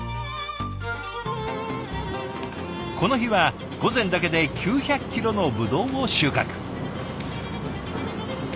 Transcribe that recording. この日は午前だけで９００キロのブドウを収穫。